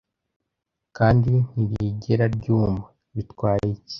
kandi ntirigera ryuma: Bitwaye iki?